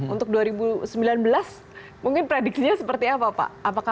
untuk dua ribu sembilan belas mungkin prediksinya seperti apa pak apakah menurun lagi atau malah naik